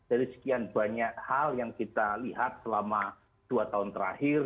dari sekian banyak hal yang kita lihat selama dua tahun terakhir